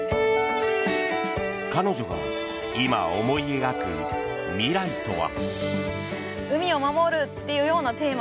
彼女が今、思い描く未来とは。